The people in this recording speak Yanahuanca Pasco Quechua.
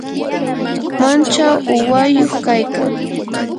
umanchaw uwayuq kaykan.